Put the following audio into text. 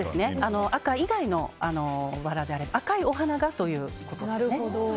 赤以外のバラであれば赤いお花がということですね。